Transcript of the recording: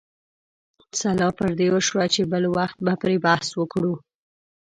سلا پر دې وشوه چې بل وخت به پرې بحث وکړو.